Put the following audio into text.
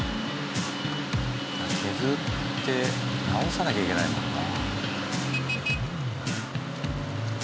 削って直さなきゃいけないもんな。